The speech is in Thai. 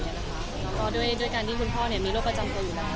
มีโรคผ่าด้วยการที่คุณพ่อเนี่ยมีโรคประจำตรวจอยู่แล้ว